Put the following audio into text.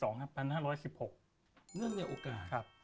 เนื่องในโอกาส